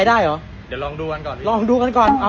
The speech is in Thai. เดี๋ยวลองดูกันก็ได้